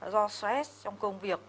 do stress trong công việc